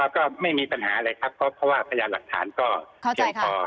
ก็ไม่มีปัญหาอะไรครับเพราะว่าพยานหลักฐานก็เพียงพอ